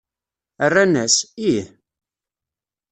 Rran-as: Ih!